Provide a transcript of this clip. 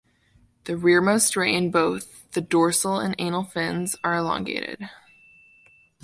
The rearmost ray in both the dorsal and anal fins are elongated.